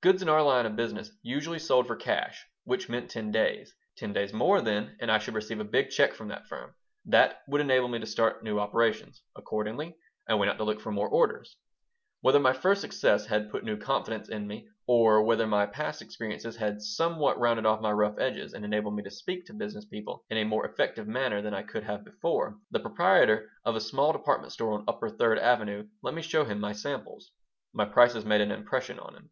Goods in our line of business usually sold "for cash," which meant ten days. Ten days more, then, and I should receive a big check from that firm. That would enable me to start new operations. Accordingly, I went out to look for more orders Whether my first success had put new confidence in me, or whether my past experiences had somewhat rounded off my rough edges and enabled me to speak to business people in a more effective manner than I could have done before, the proprietor of a small department store on upper Third Avenue let me show him my samples. My prices made an impression on him.